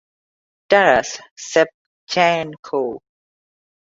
Taras Shevchenko.